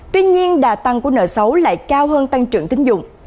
tuy nhiên đà tăng của nợ xấu lại cao hơn tăng trưởng tính dụng